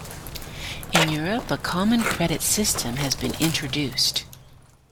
In Europe, a common credit system has been introduced.